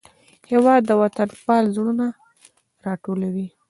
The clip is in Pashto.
هېواد د وطنپال زړونه راټولوي.